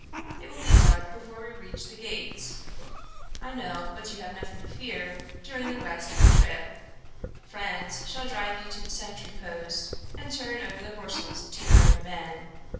It will be dark before we reach the gates, I know, but you have nothing to fear during the rest of the trip. Franz shall drive you to the sentry post and turn over the horses to your own men.